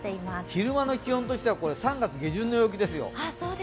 昼間の気温としては３月下旬の気温ですよ。